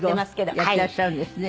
英語やってらっしゃるんですね。